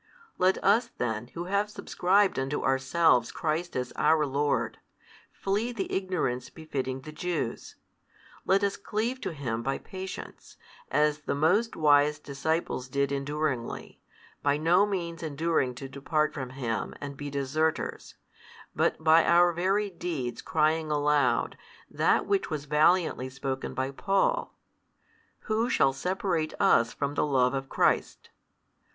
Let us then, who have subscribed 6 unto ourselves Christ as our Lord, flee the ignorance befitting the Jews, let us cleave to Him by patience, as the most wise disciples did enduringly, by no means enduring to depart from Him and be deserters, but by our very deeds crying aloud, that which was valiantly spoken by Paul, Who shall separate us from the love of Christ?